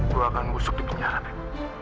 gue akan busuk di penjara fit